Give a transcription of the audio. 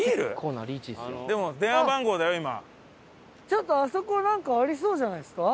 ちょっとあそこなんかありそうじゃないですか？